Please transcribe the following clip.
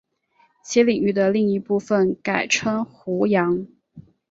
其领地的另一部分改称湖阳。